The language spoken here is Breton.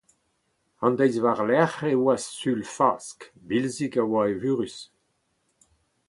An deiz war-lerc’h e oa Sul-Fask. Bilzig a oa evurus.